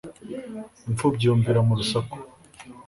Impfubyi yunvira mu rusaku